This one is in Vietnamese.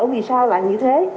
vì sao là như thế